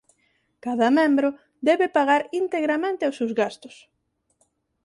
Cada membro debe pagar integramente os seus gastos.